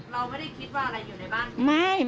เราไม่ได้คิดว่าอะไรอยู่ในบ้าน